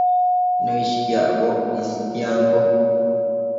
Nëishquiacboc istiambo